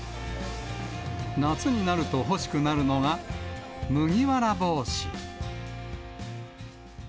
夏になると欲しくなるのが、麦わら帽子。